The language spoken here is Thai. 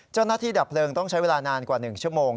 เจ้าหน้าที่ดับเผลิงต้องใช้เวลานานกว่า๑ชั่วโมง